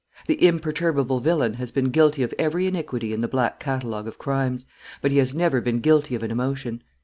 The imperturbable villain has been guilty of every iniquity in the black catalogue of crimes; but he has never been guilty of an emotion.